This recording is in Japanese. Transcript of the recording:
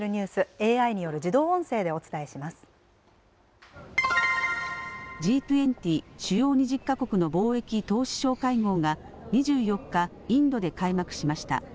ＡＩによる自動音声でＧ２０、主要２０か国の貿易・投資相会合が２４日、インドで開幕しました。